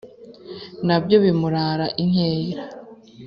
na byo bimurara inkera